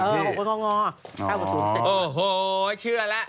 ๕ของสูงเสร็จแล้ว